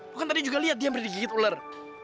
bukan tadi juga lihat dia memberi digigit ular